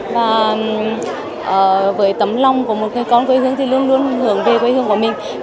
và với tấm lòng của một người con quê hương thì luôn luôn hướng về quê hương của mình